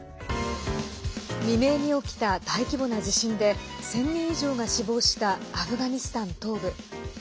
未明に起きた大規模な地震で１０００人以上が死亡したアフガニスタン東部。